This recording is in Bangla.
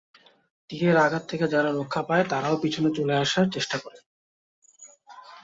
তীরের আঘাত থেকে যারা রক্ষা পায় তারাও পিছনে চলে আসার চেষ্টা করে।